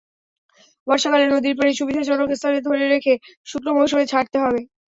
বর্ষাকালে নদীর পানি সুবিধাজনক স্থানে ধরে রেখে শুকনো মৌসুমে ছাড়তে হবে।